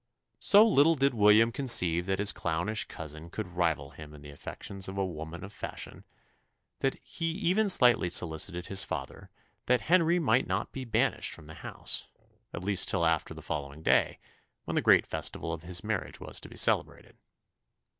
So little did William conceive that his clownish cousin could rival him in the affections of a woman of fashion, that he even slightly solicited his father "that Henry might not be banished from the house, at least till after the following day, when the great festival of his marriage was to be celebrated."